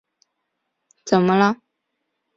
怎么了？